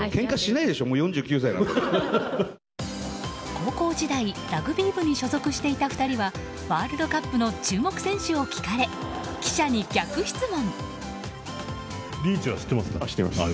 高校時代ラグビー部に所属していた２人にワールドカップの注目選手を聞かれ記者に逆質問。